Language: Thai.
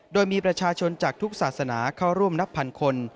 โดยมีประชาชนจากทุกศาสนาเข้าร่วมนับพันคน